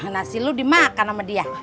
nasi lu dimakan sama dia